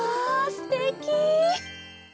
すてき！